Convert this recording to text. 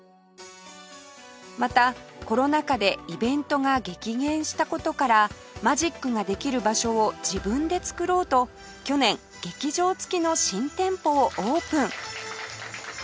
またコロナ禍でイベントが激減した事からマジックができる場所を自分で作ろうと去年劇場付きの新店舗をオープン